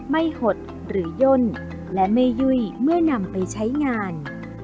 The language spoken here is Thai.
หดหรือย่นและไม่ยุ่ยเมื่อนำไปใช้งาน